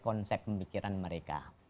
konsep pemikiran mereka